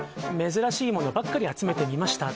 珍しいものばっかり集めてみました